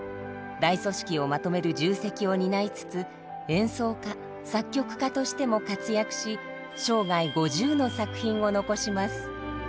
大組織をまとめる重責を担いつつ演奏家作曲家としても活躍し生涯５０の作品を残します。